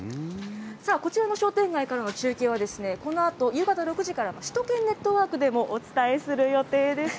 さあ、こちらの商店街からの中継はですね、このあと夕方６時からの首都圏ネットワークでもお伝えする予定です。